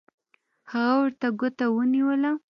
هغه ورته ګوته ونیوله